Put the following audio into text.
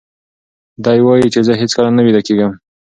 دی وایي چې زه هیڅکله نه ویده کېږم.